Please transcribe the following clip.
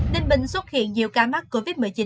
ninh bình xuất hiện nhiều ca mắc covid một mươi chín